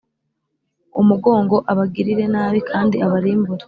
umugongo abagirire nabi kandi abarimbure .